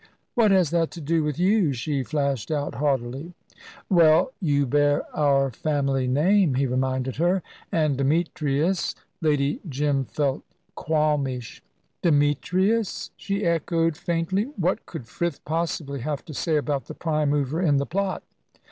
"What has that to do with you?" she flashed out, haughtily. "Well, you bear our family name," he reminded her, "and Demetrius " Lady Jim felt qualmish. "Demetrius?" she echoed faintly. What could Frith possibly have to say about the prime mover in the plot?